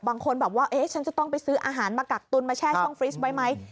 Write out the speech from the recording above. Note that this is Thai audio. บางคนแบบว่าฉันจะต้องไปซื้ออาหารมากักตุนมาแช่ช่องฟรีสไว้ไหม